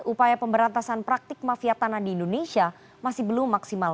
upaya pemberantasan praktik mafia tanah di indonesia masih belum maksimal